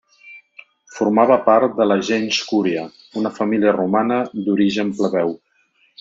Formava part de la gens Cúria, una família romana d'origen plebeu.